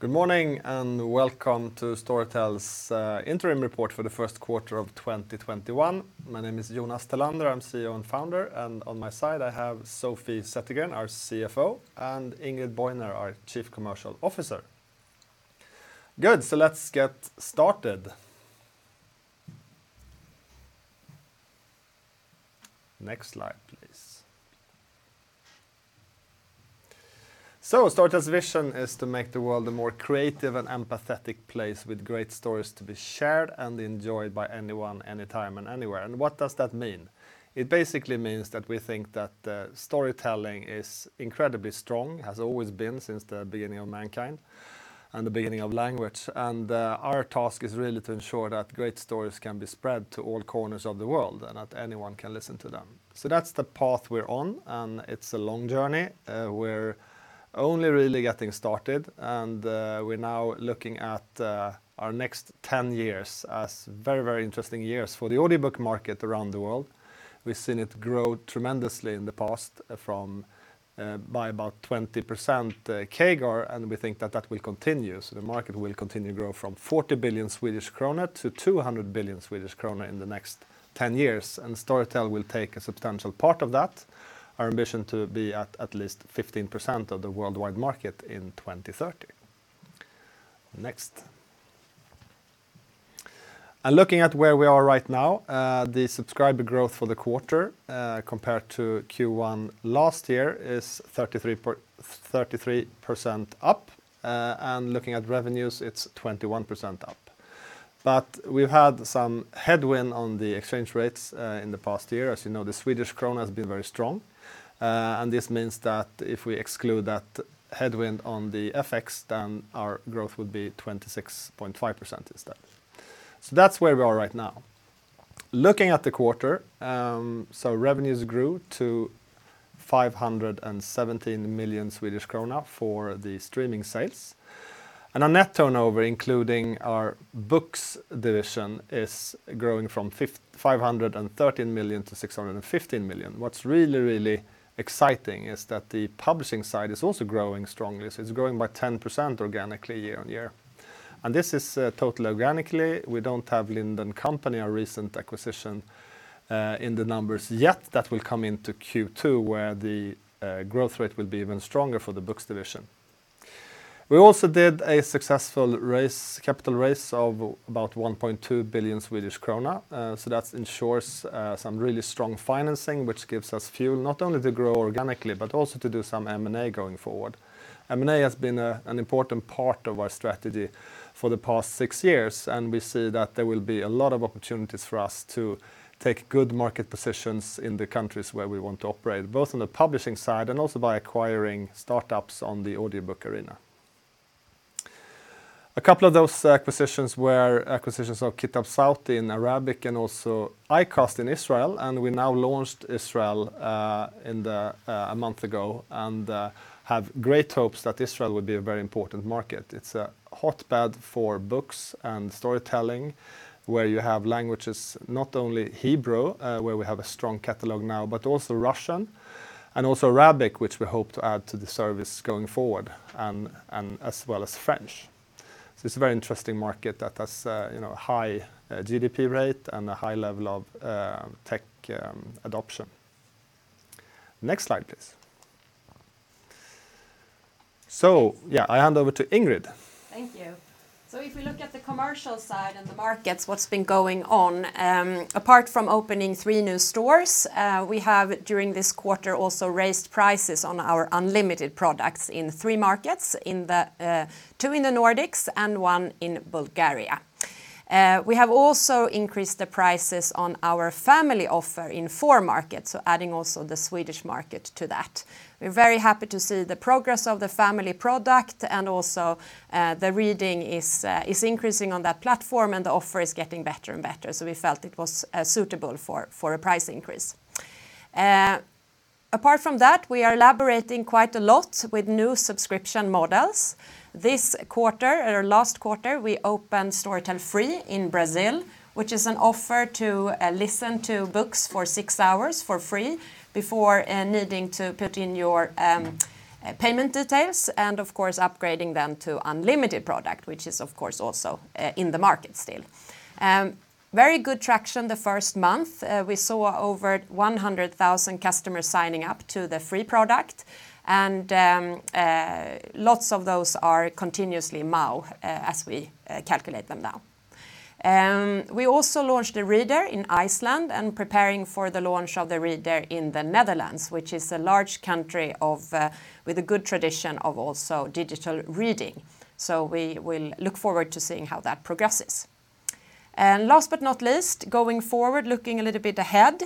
Good morning, welcome to Storytel's interim report for the first quarter of 2021. My name is Jonas Tellander. I'm CEO and Founder, and on my side, I have Sofie Zettergren, our CFO, and Ingrid Bojner, our Chief Commercial Officer. Good. Let's get started. Next slide, please. Storytel's vision is to make the world a more creative and empathetic place with great stories to be shared and enjoyed by anyone, anytime, and anywhere. What does that mean? It basically means that we think that storytelling is incredibly strong, has always been since the beginning of mankind and the beginning of language. Our task is really to ensure that great stories can be spread to all corners of the world, and that anyone can listen to them. That's the path we're on, and it's a long journey. We're only really getting started, and we're now looking at our next 10 years as very interesting years for the audiobook market around the world. We've seen it grow tremendously in the past by about 20% CAGR, and we think that that will continue. The market will continue to grow from 40 billion Swedish krona to 200 billion Swedish krona in the next 10 years, and Storytel will take a substantial part of that. Our ambition to be at least 15% of the worldwide market in 2030. Next. Looking at where we are right now, the subscriber growth for the quarter, compared to Q1 last year, is 33% up. Looking at revenues, it's 21% up. We've had some headwind on the exchange rates in the past year. As you know, the Swedish krona has been very strong. This means that if we exclude that headwind on the FX, then our growth would be 26.5% instead. That's where we are right now. Looking at the quarter, revenues grew to 517 million Swedish krona for the streaming sales. Our net turnover, including our books division, is growing from 513 million to 615 million. What's really exciting is that the publishing side is also growing strongly, it's growing by 10% organically year-over-year. This is totally organically. We don't have Lind & Co, our recent acquisition, in the numbers yet. That will come into Q2, where the growth rate will be even stronger for the books division. We also did a successful capital raise of about 1.2 billion Swedish krona. That ensures some really strong financing, which gives us fuel not only to grow organically, but also to do some M&A going forward. M&A has been an important part of our strategy for the past six years, and we see that there will be a lot of opportunities for us to take good market positions in the countries where we want to operate, both on the publishing side and also by acquiring startups on the audiobook arena. A couple of those acquisitions were acquisitions of Kitab Sawti in Arabic and also iCast in Israel, and we now launched Israel a month ago and have great hopes that Israel will be a very important market. It's a hotbed for books and storytelling, where you have languages, not only Hebrew, where we have a strong catalog now, but also Russian and also Arabic, which we hope to add to the service going forward, and as well as French. It's a very interesting market that has a high GDP rate and a high level of tech adoption. Next slide, please. Yeah, I hand over to Ingrid. Thank you. If we look at the commercial side and the markets, what's been going on, apart from opening three new stores, we have, during this quarter, also raised prices on our unlimited products in three markets, two in the Nordics and one in Bulgaria. We have also increased the prices on our family offer in four markets, adding also the Swedish market to that. We're very happy to see the progress of the family product, and also the reading is increasing on that platform, and the offer is getting better and better. We felt it was suitable for a price increase. Apart from that, we are elaborating quite a lot with new subscription models. This quarter or last quarter, we opened Storytel Free in Brazil, which is an offer to listen to books for six hours for free before needing to put in your payment details and, of course, upgrading then to unlimited product, which is, of course, also in the market still. Very good traction the first month. We saw over 100,000 customers signing up to the free product, and lots of those are continuously MAU as we calculate them now. We also launched the reader in Iceland and preparing for the launch of the reader in the Netherlands, which is a large country with a good tradition of also digital reading. We will look forward to seeing how that progresses. Last but not least, going forward, looking a little bit ahead,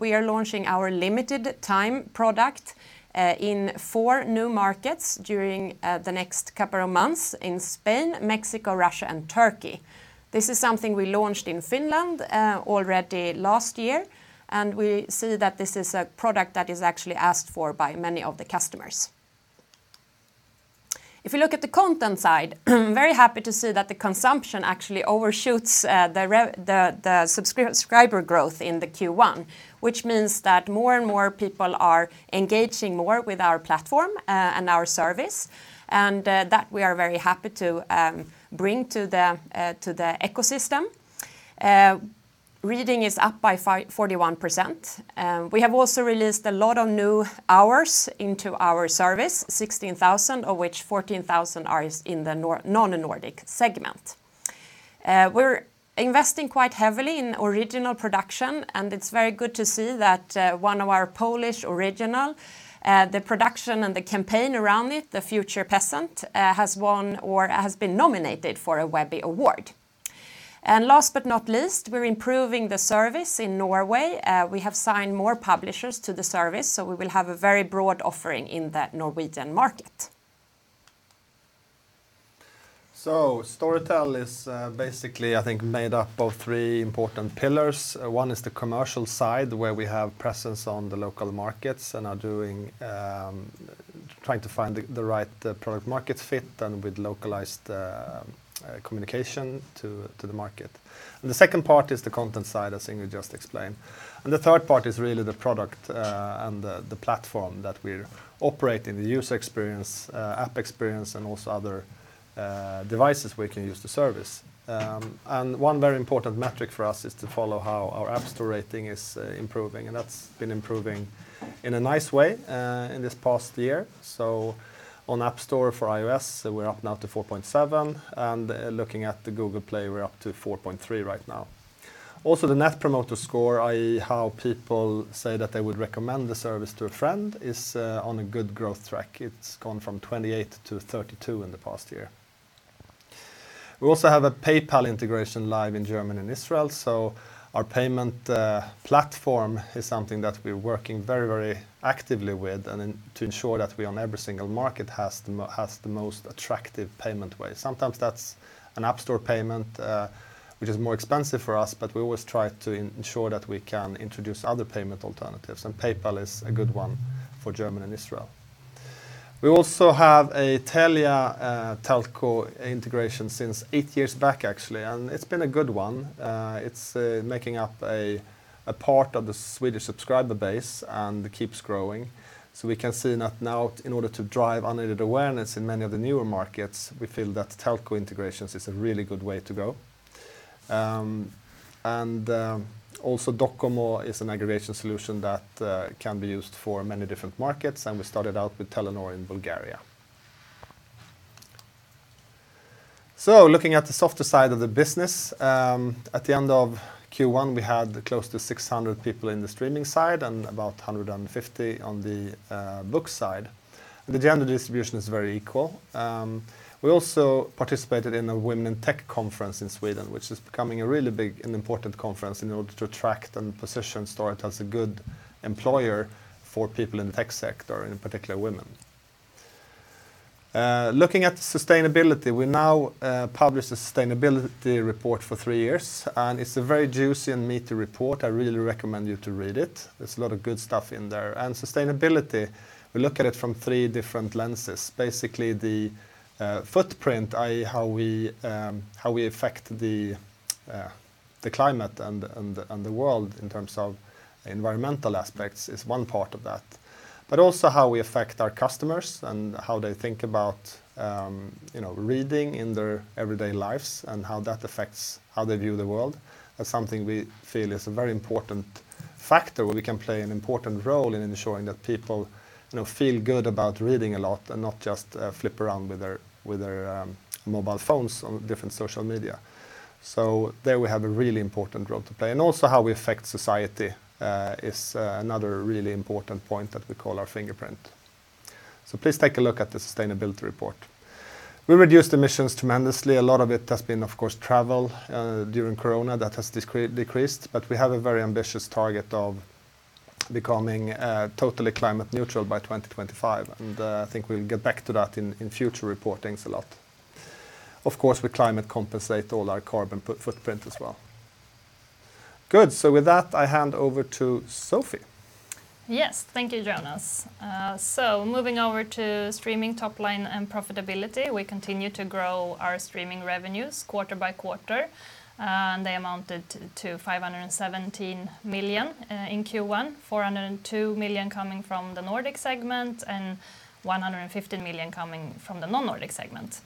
we are launching our limited time product in four new markets during the next couple of months in Spain, Mexico, Russia, and Turkey. This is something we launched in Finland already last year, and we see that this is a product that is actually asked for by many of the customers. If we look at the content side, very happy to see that the consumption actually overshoots the subscriber growth in the Q1, which means that more and more people are engaging more with our platform and our service, and that we are very happy to bring to the ecosystem. Reading is up by 41%. We have also released a lot of new hours into our service, 16,000, of which 14,000 are in the non-Nordic segment. We're investing quite heavily in original production, and it's very good to see that one of our Polish original, the production and the campaign around it, "The Future Peasant," has won or has been nominated for a Webby Award. Last but not least, we're improving the service in Norway. We have signed more publishers to the service, so we will have a very broad offering in the Norwegian market. Storytel is basically, I think, made up of three important pillars. One is the commercial side, where we have presence on the local markets and are trying to find the right product market fit and with localized communication to the market. The second part is the content side, as Ingrid just explained. The third part is really the product and the platform that we operate in, the user experience, app experience, and also other devices we can use the service. One very important metric for us is to follow how our App Store rating is improving. That's been improving in a nice way in this past year. So on App Store for iOS, we're up now to 4.7. Looking at the Google Play, we're up to 4.3 right now. The net promoter score, i.e., how people say that they would recommend the service to a friend, is on a good growth track. It's gone from 28 to 32 in the past year. We also have a PayPal integration live in Germany and Israel, so our payment platform is something that we're working very actively with and to ensure that we, on every single market, has the most attractive payment way. Sometimes that's an App Store payment, which is more expensive for us, but we always try to ensure that we can introduce other payment alternatives. PayPal is a good one for Germany and Israel. We also have a Telia telco integration since eight years back, actually, and it's been a good one. It's making up a part of the Swedish subscriber base and keeps growing. We can see that now, in order to drive unaided awareness in many of the newer markets, we feel that telco integrations is a really good way to go. Also Docomo is an aggregation solution that can be used for many different markets, and we started out with Telenor in Bulgaria. Looking at the softer side of the business. At the end of Q1, we had close to 600 people in the streaming side and about 150 on the book side. The general distribution is very equal. We also participated in a Women in Tech conference in Sweden, which is becoming a really big and important conference in order to attract and position Storytel as a good employer for people in the tech sector, and in particular, women. Looking at sustainability, we now publish a sustainability report for three years, and it's a very juicy and meaty report. I really recommend you to read it. There's a lot of good stuff in there. Sustainability, we look at it from three different lenses. Basically, the footprint, i.e., how we affect the climate and the world in terms of environmental aspects is one part of that. Also how we affect our customers and how they think about reading in their everyday lives and how that affects how they view the world. That's something we feel is a very important factor, where we can play an important role in ensuring that people feel good about reading a lot and not just flip around with their mobile phones on different social media. There we have a really important role to play. Also how we affect society is another really important point that we call our fingerprint. Please take a look at the sustainability report. We reduced emissions tremendously. A lot of it has been, of course, travel during Corona. That has decreased. We have a very ambitious target of becoming totally climate neutral by 2025, and I think we'll get back to that in future reportings a lot. Of course, we climate compensate all our carbon footprint as well. Good. With that, I hand over to Sofie Zettergren. Yes. Thank you, Jonas. Moving over to streaming top line and profitability. We continue to grow our streaming revenues quarter by quarter. They amounted to 517 million in Q1, 402 million coming from the Nordic Segment and 115 million coming from the Non-Nordic Segment.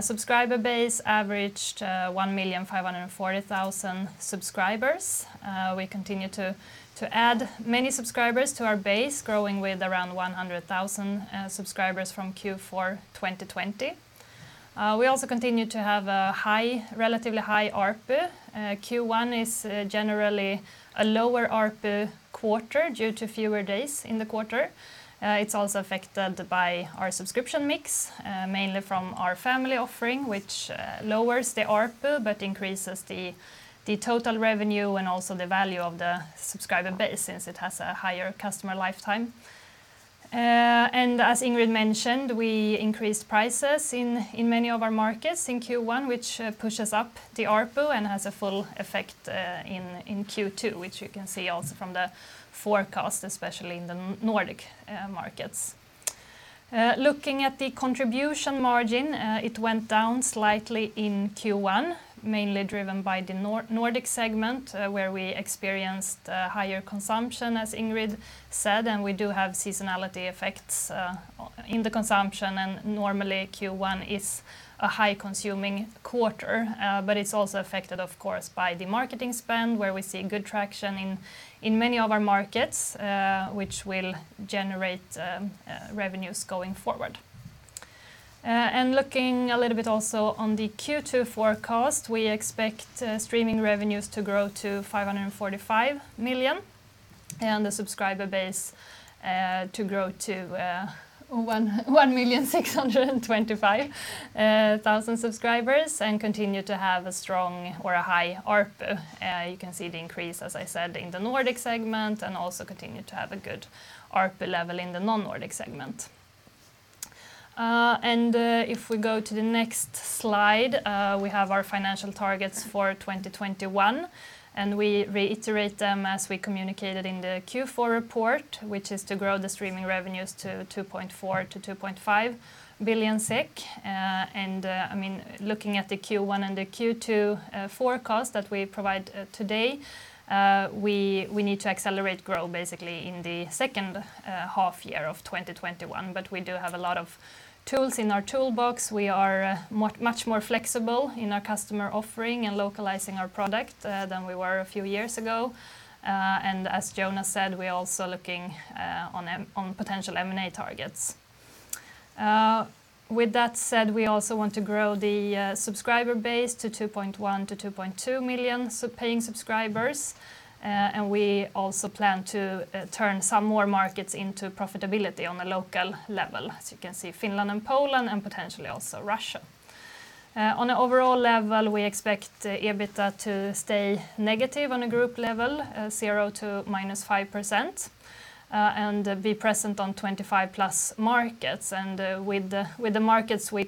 Subscriber base averaged 1,540,000 subscribers. We continue to add many subscribers to our base, growing with around 100,000 subscribers from Q4 2020. We also continue to have a relatively high ARPU. Q1 is generally a lower ARPU quarter due to fewer days in the quarter. It's also affected by our subscription mix, mainly from our family offering, which lowers the ARPU but increases the total revenue and also the value of the subscriber base since it has a higher customer lifetime. As Ingrid mentioned, we increased prices in many of our markets in Q1, which pushes up the ARPU and has a full effect in Q2, which you can see also from the forecast, especially in the Nordic markets. Looking at the contribution margin, it went down slightly in Q1, mainly driven by the Nordic segment, where we experienced higher consumption, as Ingrid said, and we do have seasonality effects in the consumption, and normally Q1 is a high-consuming quarter. It is also affected, of course, by the marketing spend, where we see good traction in many of our markets, which will generate revenues going forward. Looking a little bit also on the Q2 forecast, we expect streaming revenues to grow to 545 million, and the subscriber base to grow to 1,625,000 subscribers and continue to have a strong or a high ARPU. You can see the increase, as I said, in the Nordic segment and also continue to have a good ARPU level in the non-Nordic segment. If we go to the next slide, we have our financial targets for 2021, and we reiterate them as we communicated in the Q4 report, which is to grow the streaming revenues to 2.4 billion-2.5 billion SEK. Looking at the Q1 and the Q2 forecast that we provide today, we need to accelerate growth basically in the second half year of 2021, but we do have a lot of tools in our toolbox. We are much more flexible in our customer offering and localizing our product than we were a few years ago. As Jonas said, we're also looking on potential M&A targets. With that said, we also want to grow the subscriber base to 2.1 million-2.2 million paying subscribers. We also plan to turn some more markets into profitability on a local level, as you can see Finland and Poland and potentially also Russia. On an overall level, we expect EBITDA to stay negative on a group level, 0% to -5%, and be present on 25-plus markets. With the markets we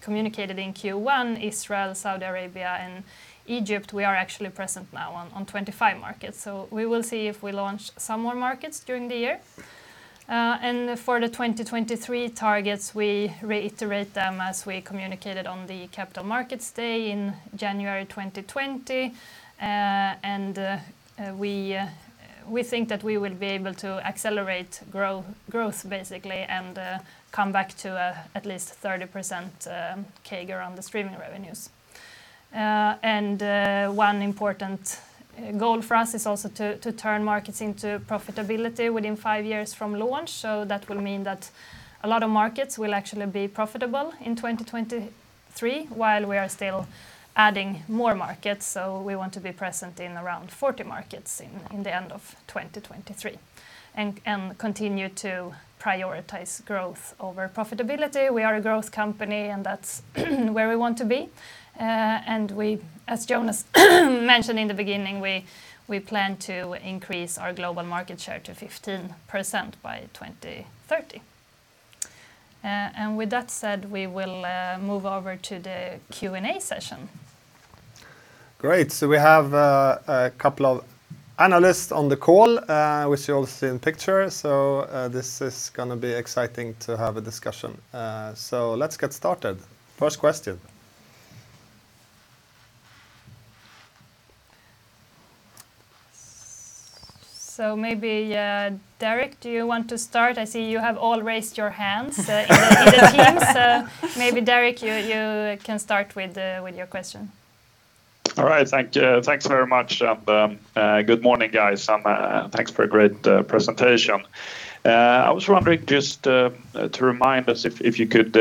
communicated in Q1, Israel, Saudi Arabia, and Egypt, we are actually present now on 25 markets. We will see if we launch some more markets during the year. For the 2023 targets, we reiterate them as we communicated on the Capital Markets Day in January 2020. We think that we will be able to accelerate growth, basically, and come back to at least 30% CAGR on the streaming revenues. One important goal for us is also to turn markets into profitability within five years from launch. That will mean that a lot of markets will actually be profitable in 2023, while we are still adding more markets. We want to be present in around 40 markets in the end of 2023 and continue to prioritize growth over profitability. We are a growth company, and that's where we want to be. As Jonas mentioned in the beginning, we plan to increase our global market share to 15% by 2030. With that said, we will move over to the Q&A session. Great. We have a couple of analysts on the call, which you all see in picture. This is going to be exciting to have a discussion. Let's get started. First question. Maybe, Derek, do you want to start? I see you have all raised your hands in the Teams. Maybe, Derek, you can start with your question. All right. Thank you. Thanks very much, and good morning, guys. Thanks for a great presentation. I was wondering just to remind us, if you could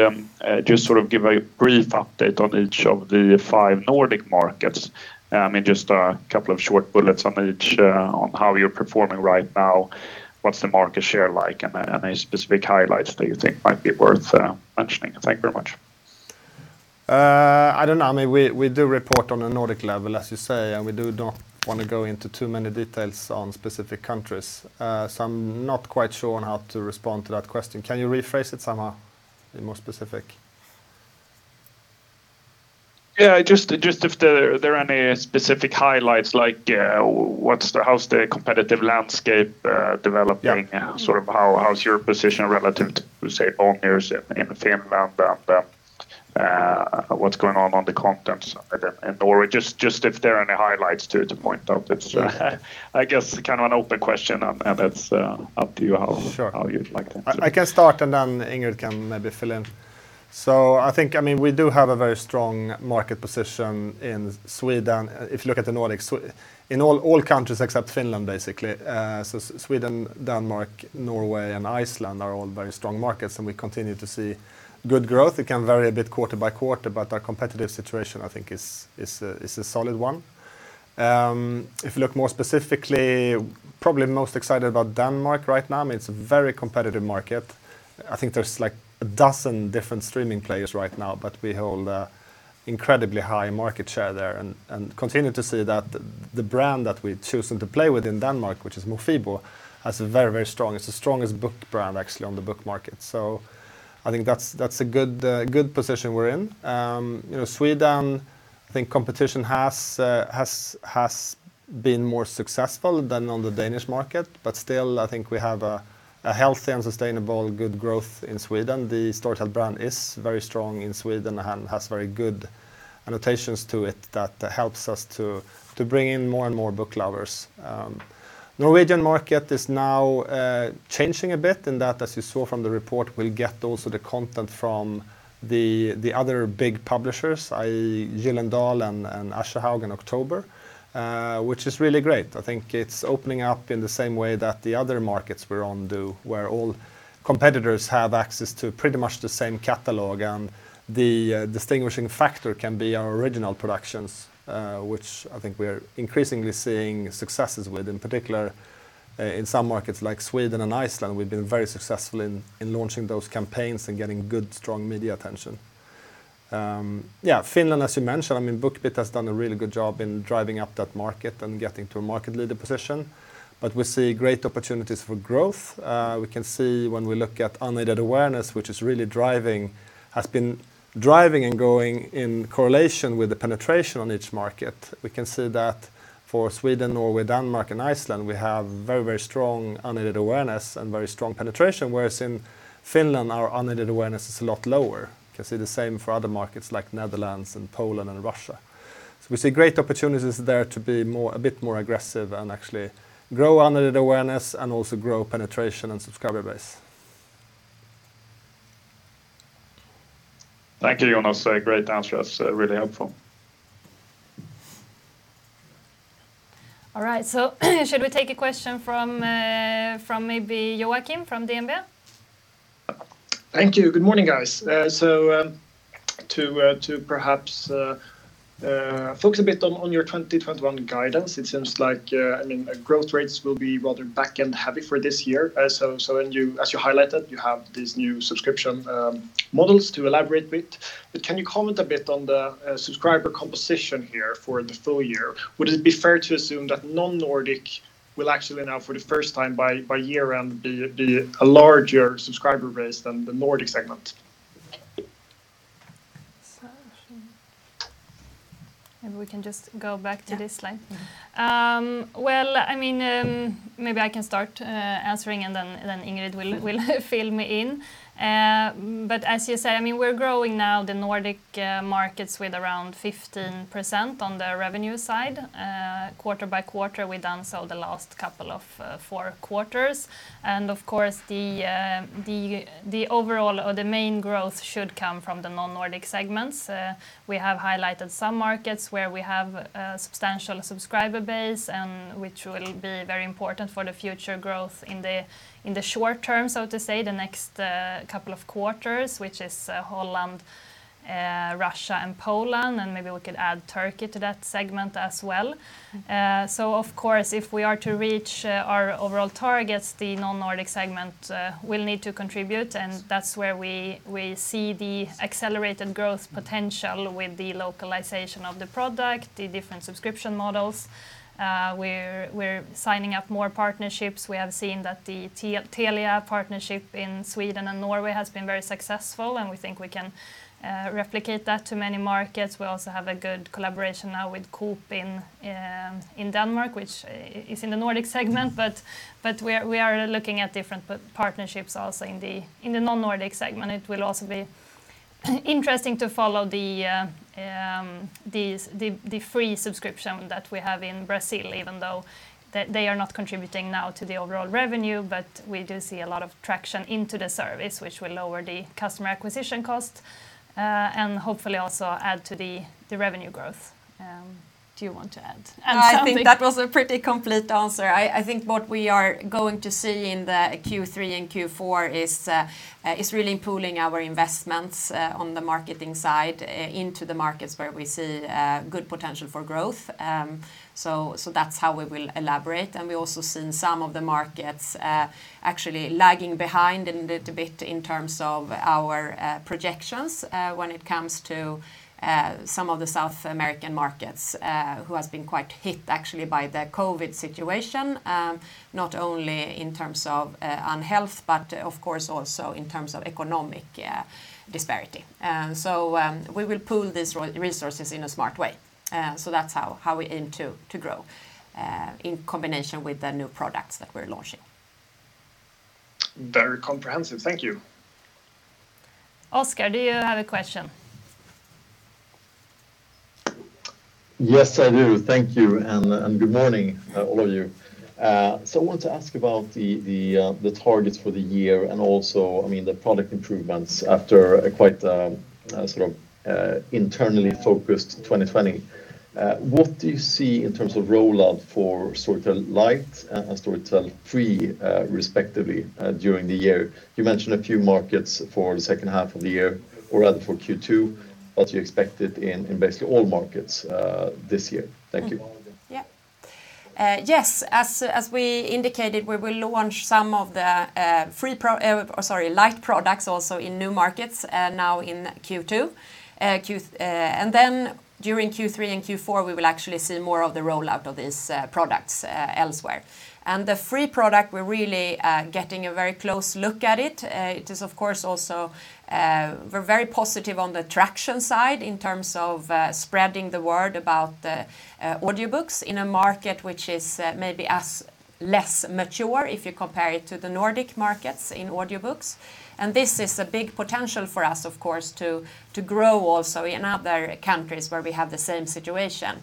just give a brief update on each of the five Nordic markets. Just a couple of short bullets on each on how you're performing right now, what's the market share like, and any specific highlights that you think might be worth mentioning. Thank you very much. I don't know. We do report on a Nordic level, as you say, and we do not want to go into too many details on specific countries. I'm not quite sure on how to respond to that question. Can you rephrase it, somewhat, be more specific? Yeah. Just if there are any specific highlights, like how's the competitive landscape developing? Yeah how's your position relative to, say, owners in Finland, and what's going on the content side in Norway. Just if there are any highlights to point out. It's I guess an open question, and it's up to you. Sure you'd like to answer it. I can start, and then Ingrid can maybe fill in. I think, we do have a very strong market position in Sweden, if you look at the Nordics. In all countries except Finland, basically, Sweden, Denmark, Norway, and Iceland are all very strong markets, and we continue to see good growth. It can vary a bit quarter by quarter, but our competitive situation, I think, is a solid one. If you look more specifically, probably most excited about Denmark right now. It's a very competitive market. I think there's 12 different streaming players right now, but we hold a incredibly high market share there and continue to see that the brand that we've chosen to play with in Denmark, which is Mofibo, it's the strongest book brand, actually, on the book market. I think that's a good position we're in. Sweden. I think competition has been more successful than on the Danish market, but still, I think we have a healthy and sustainable good growth in Sweden. The Storytel brand is very strong in Sweden and has very good annotations to it that helps us to bring in more and more book lovers. Norwegian market is now changing a bit in that, as you saw from the report, we'll get also the content from the other big publishers, i.e. Gyldendal and Aschehoug in October, which is really great. I think it's opening up in the same way that the other markets we're on do, where all competitors have access to pretty much the same catalog. The distinguishing factor can be our original productions, which I think we're increasingly seeing successes with. In particular, in some markets like Sweden and Iceland, we've been very successful in launching those campaigns and getting good, strong media attention. Finland, as you mentioned, BookBeat has done a really good job in driving up that market and getting to a market leader position. We see great opportunities for growth. We can see when we look at unaided awareness, which has been driving and going in correlation with the penetration on each market. We can see that for Sweden, Norway, Denmark, and Iceland, we have very strong unaided awareness and very strong penetration, whereas in Finland, our unaided awareness is a lot lower. You can see the same for other markets like Netherlands and Poland and Russia. We see great opportunities there to be a bit more aggressive and actually grow unaided awareness and also grow penetration and subscriber base. Thank you, Jonas. Great answer. That's really helpful. All right. Should we take a question from maybe Joakim from DNB? Thank you. Good morning, guys. To perhaps focus a bit on your 2021 guidance, it seems like growth rates will be rather back-end heavy for this year. As you highlighted, you have these new subscription models to elaborate a bit, but can you comment a bit on the subscriber composition here for the full year? Would it be fair to assume that non-Nordic will actually now, for the first time by year-round, be a larger subscriber base than the Nordic segment? Maybe we can just go back to this slide. Yeah. Maybe I can start answering and then Ingrid will fill me in. As you say, we're growing now the Nordic markets with around 15% on the revenue side, quarter by quarter we've done so the last couple of four quarters. Of course, the overall or the main growth should come from the non-Nordic segments. We have highlighted some markets where we have a substantial subscriber base, and which will be very important for the future growth in the short term, so to say, the next couple of quarters, which is Holland, Russia, and Poland, and maybe we could add Turkey to that segment as well. Of course, if we are to reach our overall targets, the non-Nordic segment will need to contribute, and that's where we see the accelerated growth potential with the localization of the product, the different subscription models. We're signing up more partnerships. We have seen that the Telia partnership in Sweden and Norway has been very successful, and we think we can replicate that to many markets. We also have a good collaboration now with Coop in Denmark, which is in the Nordic segment, but we are looking at different partnerships also in the non-Nordic segment. It will also be interesting to follow the free subscription that we have in Brazil, even though they are not contributing now to the overall revenue. We do see a lot of traction into the service, which will lower the customer acquisition cost, and hopefully also add to the revenue growth. Do you want to add something? No, I think that was a pretty complete answer. I think what we are going to see in the Q3 and Q4 is really pooling our investments on the marketing side into the markets where we see good potential for growth. That's how we will elaborate. We also have seen some of the markets actually lagging behind a little bit in terms of our projections when it comes to some of the South American markets, who have been quite hit actually by the COVID situation, not only in terms of health, but of course also in terms of economic disparity. We will pool these resources in a smart way. That's how we aim to grow in combination with the new products that we're launching. Very comprehensive. Thank you. Oskar, do you have a question? Yes, I do. Thank you. Good morning, all of you. I want to ask about the targets for the year and also the product improvements after a quite internally focused 2020. What do you see in terms of rollout for Storytel Lite and Storytel Free respectively during the year? You mentioned a few markets for the second half of the year or rather for Q2, but you expect it in basically all markets this year. Thank you. All markets. Yes. As we indicated, we will launch some of the Lite products also in new markets now in Q2. Then during Q3 and Q4, we will actually see more of the rollout of these products elsewhere. The Free product, we're really getting a very close look at it. It is of course. We're very positive on the traction side in terms of spreading the word about the audiobooks in a market which is maybe less mature if you compare it to the Nordic markets in audiobooks. This is a big potential for us, of course, to grow also in other countries where we have the same situation,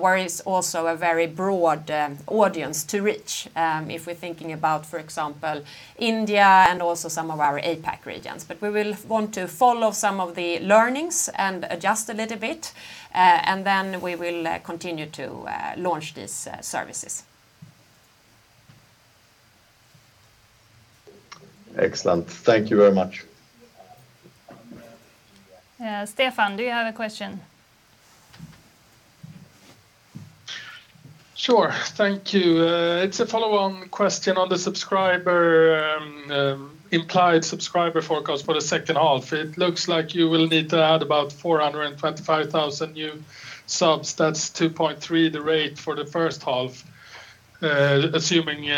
where it's also a very broad audience to reach if we're thinking about, for example, India and also some of our APAC regions. We will want to follow some of the learnings and adjust a little bit, and then we will continue to launch these services. Excellent. Thank you very much. Stefan, do you have a question? Sure. Thank you. It's a follow-on question on the implied subscriber forecast for the second half. It looks like you will need to add about 425,000 new subs. That's 2.3 the rate for the first half, assuming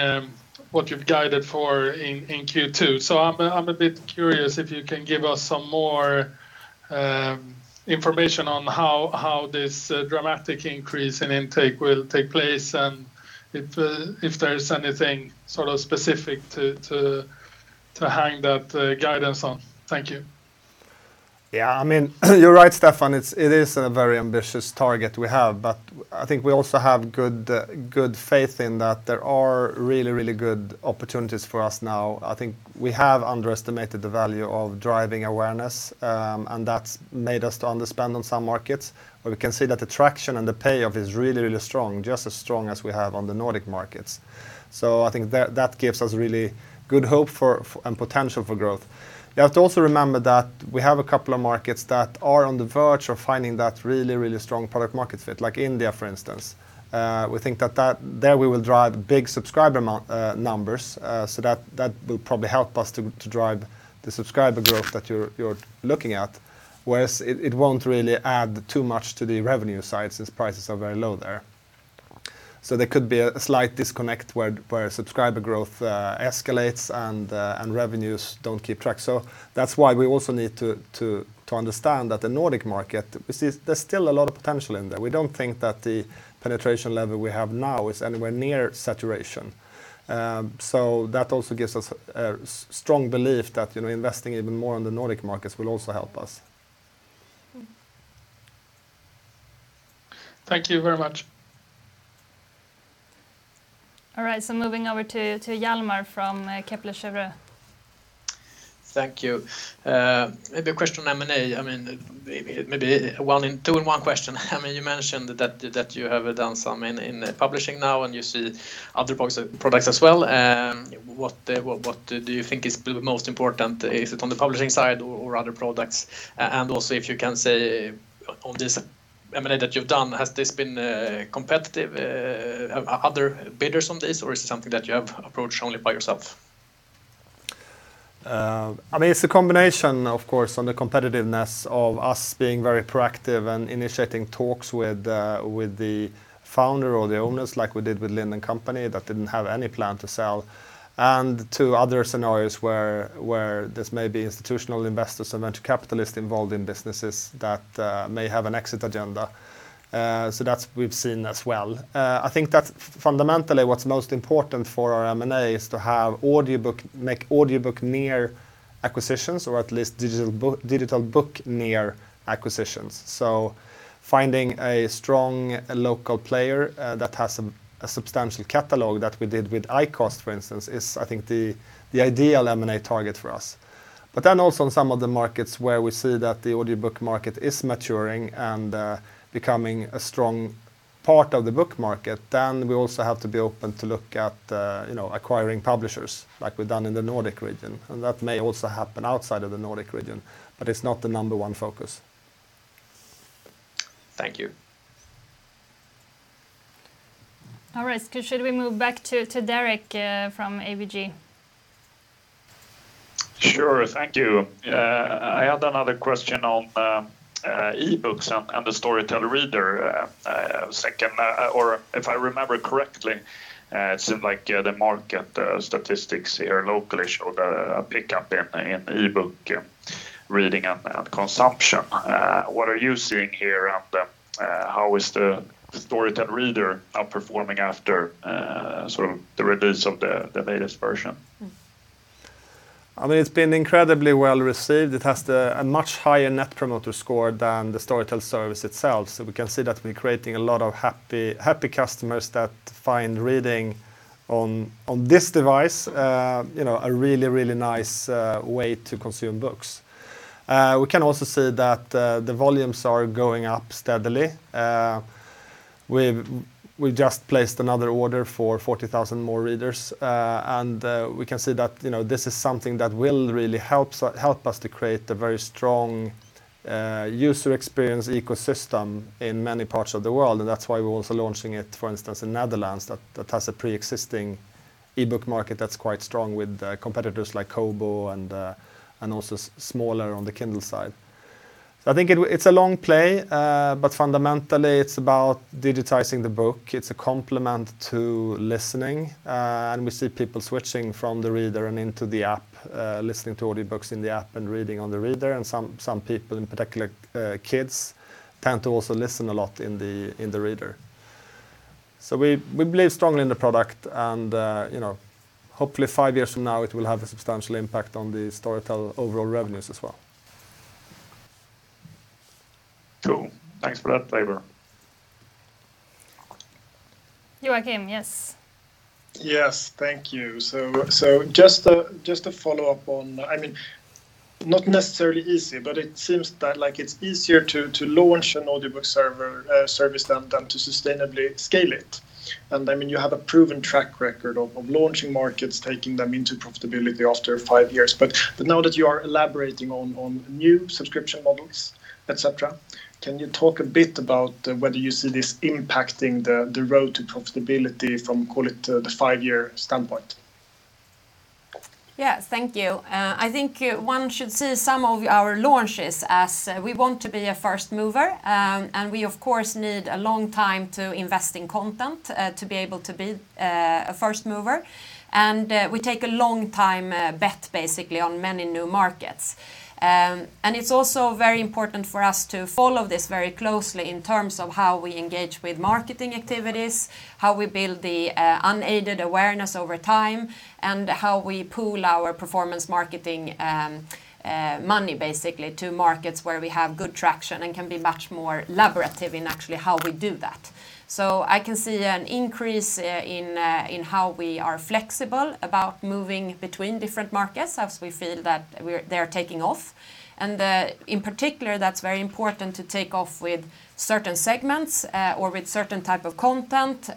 what you've guided for in Q2. I'm a bit curious if you can give us some more information on how this dramatic increase in intake will take place and if there's anything specific to hang that guidance on. Thank you. Yeah, you're right, Stefan. It is a very ambitious target we have. I think we also have good faith in that there are really good opportunities for us now. I think we have underestimated the value of driving awareness, and that's made us under-spend on some markets. We can see that the traction and the payoff is really strong, just as strong as we have on the Nordic markets. I think that gives us really good hope for and potential for growth. We have to also remember that we have a couple of markets that are on the verge of finding that really strong product market fit, like India, for instance. We think that there we will drive big subscriber numbers. That will probably help us to drive the subscriber growth that you're looking at, whereas it won't really add too much to the revenue side since prices are very low there. There could be a slight disconnect where subscriber growth escalates and revenues don't keep track. That's why we also need to understand that the Nordic market, there's still a lot of potential in there. We don't think that the penetration level we have now is anywhere near saturation. That also gives us a strong belief that investing even more on the Nordic markets will also help us. Thank you very much. All right, moving over to Hjalmar from Kepler Cheuvreux. Thank you. Maybe a question on M&A. Maybe two in one question. You mentioned that you have done some in publishing now, and you see other products as well. What do you think is the most important? Is it on the publishing side or other products? Also, if you can say on this M&A that you've done, has this been competitive? Other bidders on this, or is it something that you have approached only by yourself? It's a combination, of course, on the competitiveness of us being very proactive and initiating talks with the founder or the owners like we did with Lind & Co that didn't have any plan to sell, and two other scenarios where there's maybe institutional investors and venture capitalists involved in businesses that may have an exit agenda. That we've seen as well. I think that fundamentally what's most important for our M&A is to make audiobook-near acquisitions or at least digital book-near acquisitions. Finding a strong local player that has a substantial catalog that we did with iCast, for instance, is I think the ideal M&A target for us. Also in some of the markets where we see that the audiobook market is maturing and becoming a strong part of the book market, then we also have to be open to look at acquiring publishers like we've done in the Nordic region. That may also happen outside of the Nordic region, but it's not the number one focus. Thank you. All right. Should we move back to Derek from ABG? Sure. Thank you. I had another question on e-books and the Storytel Reader. If I remember correctly, it seemed like the market statistics here locally showed a pickup in e-book reading and consumption. What are you seeing here, and how is the Storytel Reader performing after the release of the latest version? It's been incredibly well-received. It has a much higher NPS than the Storytel service itself. We can see that we're creating a lot of happy customers that find reading on this device a really, really nice way to consume books. We've just placed another order for 40,000 more readers. We can see that this is something that will really help us to create a very strong user experience ecosystem in many parts of the world. That's why we're also launching it, for instance, in Netherlands, that has a preexisting e-book market that's quite strong with competitors like Kobo and also smaller on the Kindle side. I think it's a long play, fundamentally, it's about digitizing the book. It's a complement to listening. We see people switching from the Reader and into the app, listening to audiobooks in the app and reading on the Reader, and some people, in particular kids, tend to also listen a lot in the Reader. We believe strongly in the product and hopefully five years from now, it will have a substantial impact on the Storytel overall revenues as well. Cool. Thanks for that flavor. Joakim, yes. Yes. Thank you. Just to follow up. Not necessarily easy, but it seems that it's easier to launch an audiobook service than to sustainably scale it. You have a proven track record of launching markets, taking them into profitability after five years. Now that you are elaborating on new subscription models, et cetera, can you talk a bit about whether you see this impacting the road to profitability from, call it, the five-year standpoint? Yes. Thank you. I think one should see some of our launches as we want to be a first mover. We, of course, need a long time to invest in content to be able to be a first mover. We take a long time bet, basically, on many new markets. It's also very important for us to follow this very closely in terms of how we engage with marketing activities, how we build the unaided awareness over time, and how we pool our performance marketing money, basically, to markets where we have good traction and can be much more elaborative in actually how we do that. I can see an increase in how we are flexible about moving between different markets as we feel that they're taking off. In particular, that's very important to take off with certain segments or with certain type of content.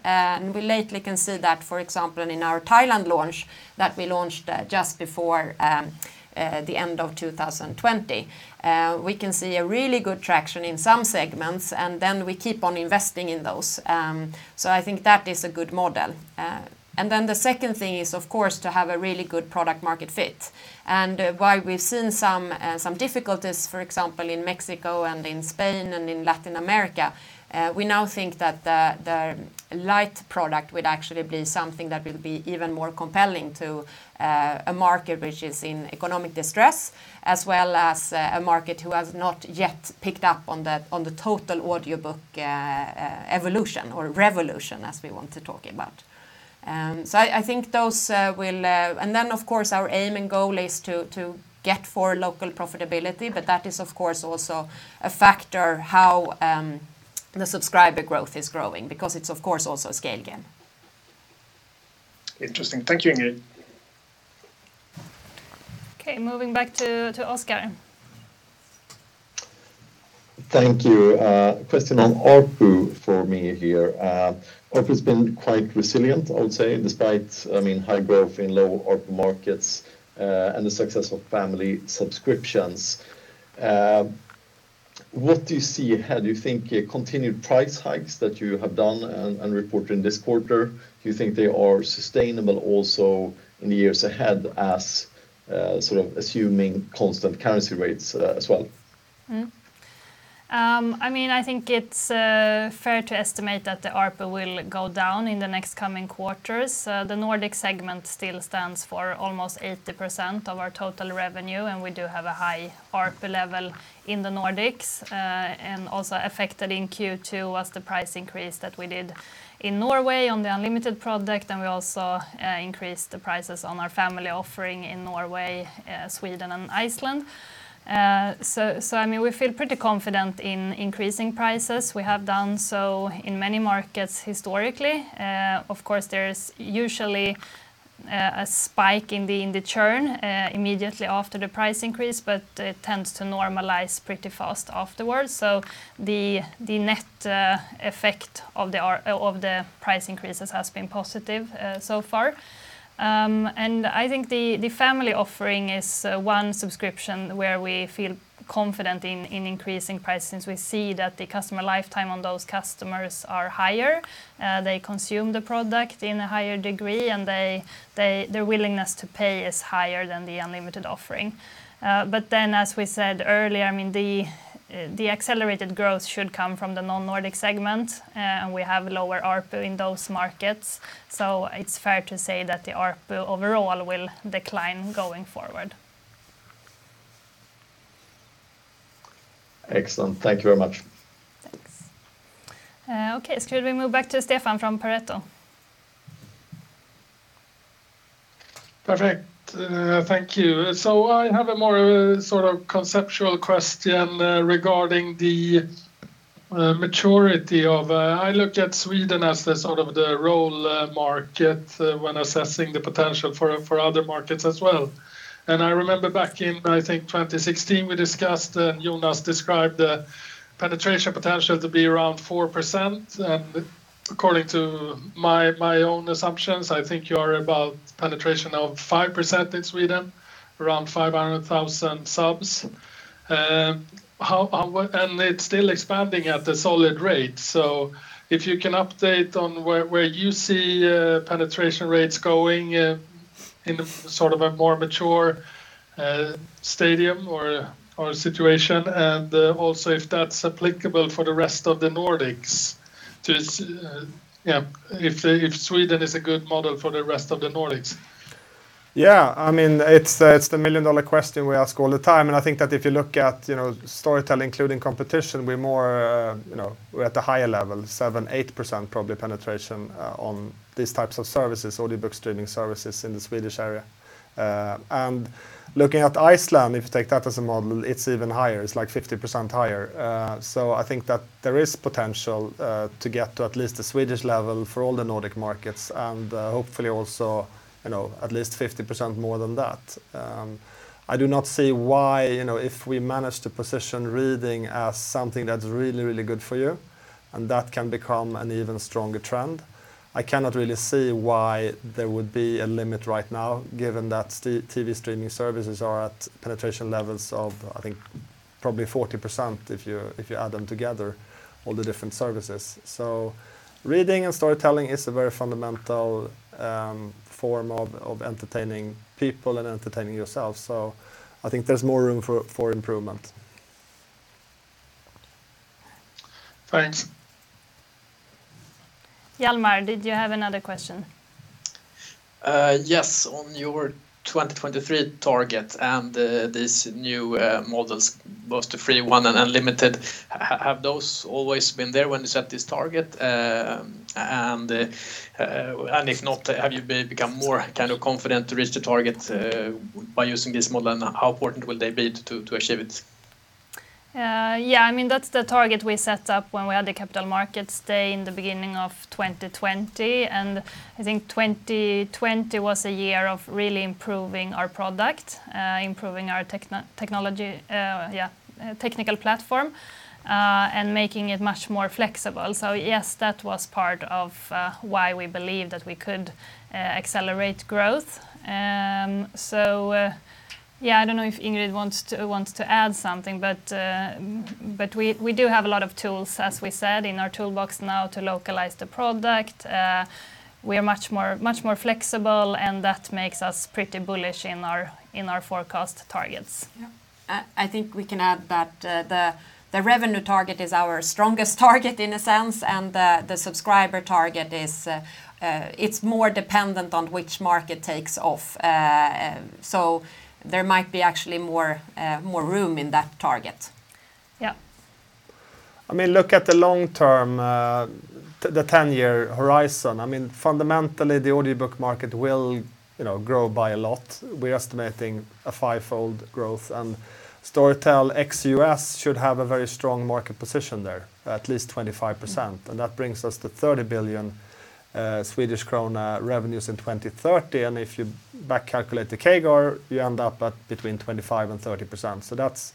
We lately can see that, for example, in our Thailand launch, that we launched just before the end of 2020. We can see a really good traction in some segments, and then we keep on investing in those. I think that is a good model. The second thing is, of course, to have a really good product market fit. While we've seen some difficulties, for example, in Mexico and in Spain and in Latin America, we now think that the Storytel Lite would actually be something that will be even more compelling to a market which is in economic distress, as well as a market who has not yet picked up on the total audiobook evolution or revolution as we want to talk about. Of course, our aim and goal is to get for local profitability, but that is, of course, also a factor how the subscriber growth is growing because it's of course also a scale game. Interesting. Thank you, Ingrid. Okay, moving back to Oskar. Thank you. Question on ARPU for me here. ARPU's been quite resilient, I would say, despite high growth in low ARPU markets and the success of family subscriptions. What do you see ahead? Do you think continued price hikes that you have done and reported in this quarter, do you think they are sustainable also in the years ahead as assuming constant currency rates as well? Mm-hmm. I think it's fair to estimate that the ARPU will go down in the next coming quarters. The Nordic segment still stands for almost 80% of our total revenue, and we do have a high ARPU level in the Nordics. Also affected in Q2 was the price increase that we did in Norway on the unlimited product, and we also increased the prices on our family offering in Norway, Sweden, and Iceland. We feel pretty confident in increasing prices. We have done so in many markets historically. Of course, there's usually a spike in the churn immediately after the price increase, but it tends to normalize pretty fast afterwards. The net effect of the price increases has been positive so far. I think the family offering is one subscription where we feel confident in increasing prices since we see that the customer lifetime on those customers are higher. They consume the product in a higher degree, and their willingness to pay is higher than the unlimited offering. As we said earlier, the accelerated growth should come from the non-Nordic segment. We have lower ARPU in those markets. It's fair to say that the ARPU overall will decline going forward. Excellent. Thank you very much. Thanks. Okay, should we move back to Stefan from Pareto? Perfect. Thank you. I have a more conceptual question regarding the maturity. I look at Sweden as the role market when assessing the potential for other markets as well. I remember back in, I think 2016, we discussed, Jonas described the penetration potential to be around 4%. According to my own assumptions, I think you are about penetration of 5% in Sweden, around 500,000 subs. It's still expanding at a solid rate. If you can update on where you see penetration rates going in a more mature stadium or situation, and also if that's applicable for the rest of the Nordics. If Sweden is a good model for the rest of the Nordics. Yeah. It's the million-dollar question we ask all the time. I think that if you look at Storytel including competition, we're at a higher level, 7%, 8% probably penetration on these types of services, audiobook streaming services in the Swedish area. Looking at Iceland, if you take that as a model, it's even higher. It's 50% higher. I think that there is potential to get to at least the Swedish level for all the Nordic markets, and hopefully also at least 50% more than that. I do not see why if we manage to position reading as something that's really, really good for you, and that can become an even stronger trend. I cannot really see why there would be a limit right now given that TV streaming services are at penetration levels of, I think probably 40% if you add them together, all the different services. Reading and storytelling is a very fundamental form of entertaining people and entertaining yourself. I think there's more room for improvement. Thanks. Hjalmar, did you have another question? Yes. On your 2023 target and these new models, both the free one and unlimited, have those always been there when you set this target? If not, have you become more confident to reach the target by using this model, and how important will they be to achieve it? Yeah. That's the target we set up when we had the Capital Markets Day in the beginning of 2020. I think 2020 was a year of really improving our product, improving our technical platform, and making it much more flexible. Yes, that was part of why we believe that we could accelerate growth. Yeah, I don't know if Ingrid wants to add something, but we do have a lot of tools, as we said, in our toolbox now to localize the product. We are much more flexible, and that makes us pretty bullish in our forecast targets. Yep. I think we can add that the revenue target is our strongest target in a sense, and the subscriber target is more dependent on which market takes off. There might be actually more room in that target. Yep. Look at the long term, the 10-year horizon. Fundamentally, the audiobook market will grow by a lot. We're estimating a fivefold growth, and Storytel ex-U.S. should have a very strong market position there, at least 25%. That brings us to 30 billion Swedish krona revenues in 2030. If you back calculate the CAGR, you end up at between 25% and 30%.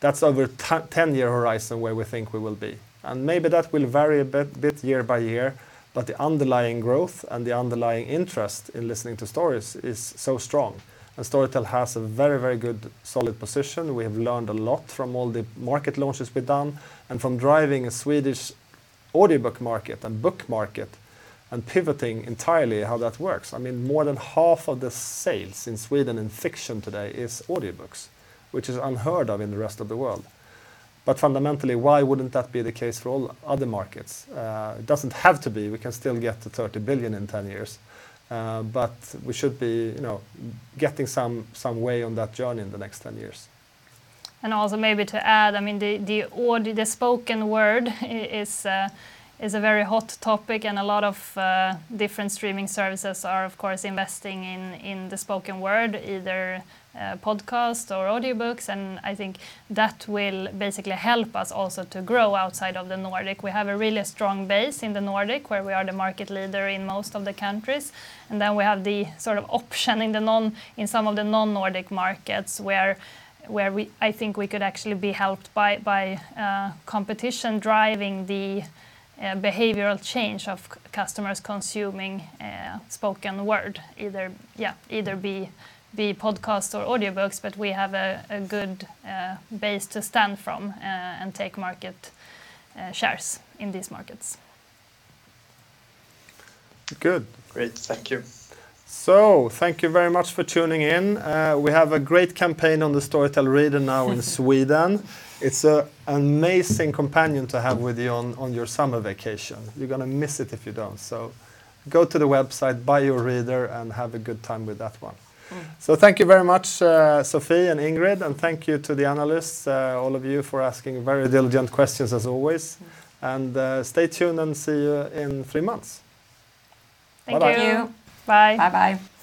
That's our 10-year horizon where we think we will be. Maybe that will vary a bit year by year, but the underlying growth and the underlying interest in listening to stories is so strong. Storytel has a very good, solid position. We have learned a lot from all the market launches we've done, and from driving a Swedish audiobook market and book market, and pivoting entirely how that works. More than half of the sales in Sweden in fiction today is audiobooks, which is unheard of in the rest of the world. Fundamentally, why wouldn't that be the case for all other markets? It doesn't have to be. We can still get to 30 billion in 10 years. We should be getting some way on that journey in the next 10 years. Also maybe to add, the spoken word is a very hot topic, and a lot of different streaming services are, of course, investing in the spoken word, either podcast or audiobooks. I think that will basically help us also to grow outside of the Nordic. We have a really strong base in the Nordic, where we are the market leader in most of the countries. Then we have the option in some of the non-Nordic markets, where I think we could actually be helped by competition driving the behavioral change of customers consuming spoken word, either be podcast or audiobooks. We have a good base to stand from and take market shares in these markets. Good. Great. Thank you. Thank you very much for tuning in. We have a great campaign on the Storytel Reader now in Sweden. It's a amazing companion to have with you on your summer vacation. You're going to miss it if you don't. Go to the website, buy your reader, and have a good time with that one. Thank you very much, Sofie and Ingrid, and thank you to the analysts, all of you, for asking very diligent questions as always. Stay tuned, and see you in three months. Thank you. Thank you. Bye. Bye-bye.